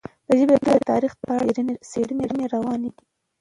د ژبې د تاریخ په اړه څېړنې روانې دي.